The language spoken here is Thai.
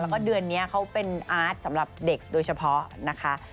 แล้วก็เดือนนี้เขาเป็นอาร์ตสำหรับเด็กโดยเฉพาะนะคะ